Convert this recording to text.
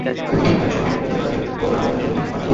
আমরা সবাই শতভাগ খেলতে পারলে ওরা আমাদের সঙ্গে জিততে পারবে না।